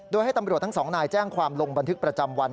โดยให้ตำรวจทั้งสองนายแจ้งความลงบันทึกประจำวัน